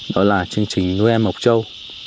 đó là chương trình nuôi em mộc châu